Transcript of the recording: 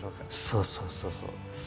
そうそうそうそう。